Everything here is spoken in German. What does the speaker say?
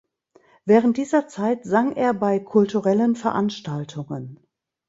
Während dieser Zeit sang er bei kulturellen Veranstaltungen.